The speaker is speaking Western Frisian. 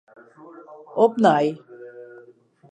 Opnij.